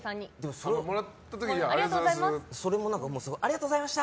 もらった時にありがとうございます。